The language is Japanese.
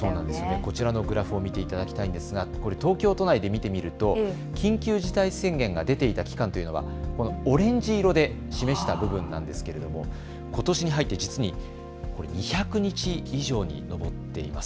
こちらのグラフを見ていただきたいんですが、これ東京都内で見てみると緊急事態宣言が出ていた期間、オレンジ色で示した部分なんですけれどもことしに入って実に２００日以上に上っています。